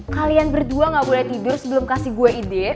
kalian berdua gak boleh tidur sebelum kasih gue ide